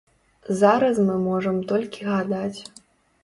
Зараз мы можам толькі гадаць.